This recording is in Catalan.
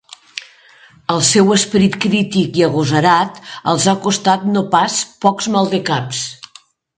El seu esperit crític i agosarat els ha costat no pas pocs maldecaps.